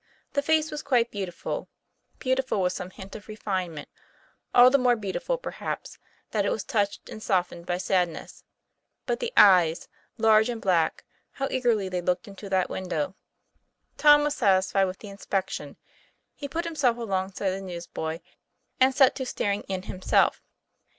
The face was quite beautiful, beautiful with some hint of refinement, all the more beautiful, perhaps, that it was touched and softened by sad ness. But the eyes large and black how eagerly they looked into that window! Tom was satisfied with the inspection. He put himself alongside the newsboy, and set to staring in himself.